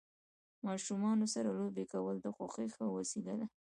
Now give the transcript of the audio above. د ماشومانو سره لوبې کول د خوښۍ ښه وسیله ده.